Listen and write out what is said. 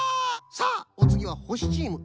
さあおつぎはほしチーム。